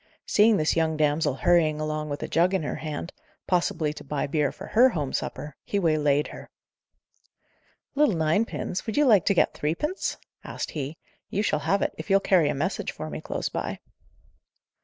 Seeing this young damsel hurrying along with a jug in her hand, possibly to buy beer for her home supper, he waylaid her. "Little ninepins, would you like to get threepence?" asked he. "You shall have it, if you'll carry a message for me close by."